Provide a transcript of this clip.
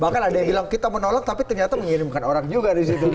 bahkan ada yang bilang kita menolong tapi ternyata menyirimkan orang juga di situ